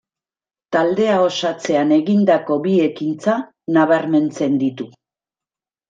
Taldea osatzean egindako bi ekintza nabarmentzen ditu.